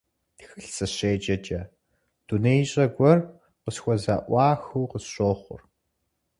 Тхылъ сыщеджэкӀэ, дунеищӀэ гуэр къысхузэӀуахыу къысщохъур.